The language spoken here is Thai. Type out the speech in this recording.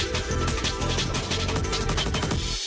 ด้วยงามนะ